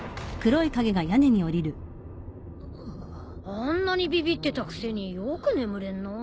あんなにビビってたくせによく眠れんなぁ。